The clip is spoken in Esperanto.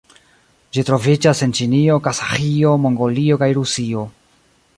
Ĝi troviĝas en Ĉinio, Kazaĥio, Mongolio kaj Rusio.